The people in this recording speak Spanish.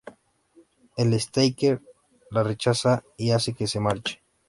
El "stalker" la rechaza y hace que se marche.